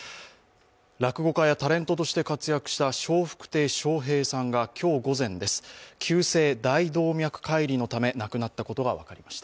落語家やタレントとして活躍した笑福亭鶴瓶さんが今日午前、急性大動脈解離のため亡くなったことが分かりました。